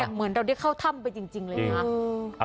เหมือนเราได้เข้าถ้ำไปจริงเลยนะ